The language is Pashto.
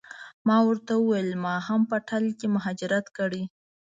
ما ورته وویل ما هم په ټل کې مهاجرت کړی.